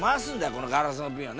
このガラスのビンをね。